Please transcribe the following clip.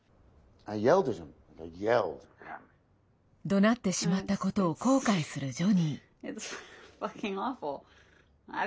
どなってしまったことを後悔するジョニー。